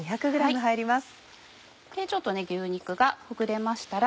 ちょっと牛肉がほぐれましたら。